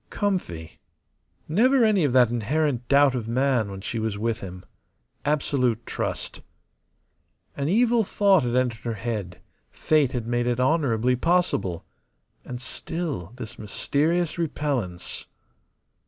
Comfy. Never any of that inherent doubt of man when she was with him. Absolute trust. An evil thought had entered her head; fate had made it honourably possible. And still this mysterious repellence.